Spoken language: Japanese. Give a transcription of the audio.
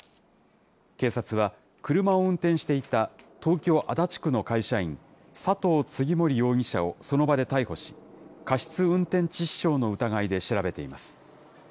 警察は、車を運転していた東京・足立区の会社員、佐藤次守容疑者をその場で逮捕し、過失運転致死傷の疑いで調べています。